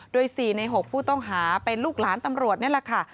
โดย๔ใน๖ผู้ต้องหาเป็นลูกหลานตำรวจนี่แหละค่ะ